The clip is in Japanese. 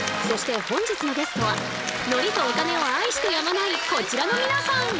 そして本日のゲストは海苔とお金を愛してやまないこちらの皆さん！